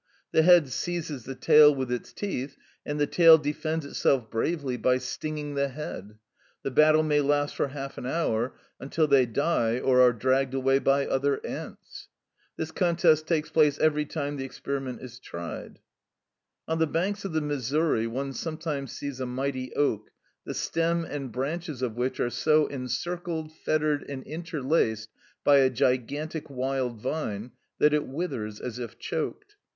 The head seizes the tail with its teeth, and the tail defends itself bravely by stinging the head: the battle may last for half an hour, until they die or are dragged away by other ants. This contest takes place every time the experiment is tried. (From a letter by Howitt in the W. Journal, reprinted in Galignani's Messenger, 17th November 1855.) On the banks of the Missouri one sometimes sees a mighty oak the stem and branches of which are so encircled, fettered, and interlaced by a gigantic wild vine, that it withers as if choked.